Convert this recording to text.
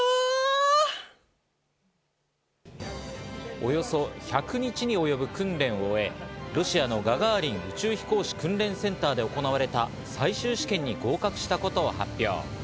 およそ１００日に及ぶ訓練を終え、ロシアのガガーリン宇宙飛行士訓練センターで行われた最終試験に合格したことを発表。